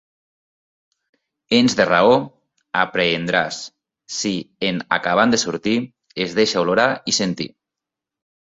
Ens de raó aprehendràs, si en acabant de sortir, es deixa olorar i sentir.